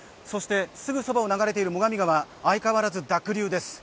すぐそばを流れている最上川、相変わらず濁流です。